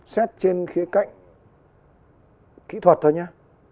xét trên khía cạnh kỹ thuật thôi nhé